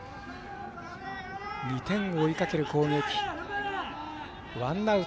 ２点を追いかける攻撃。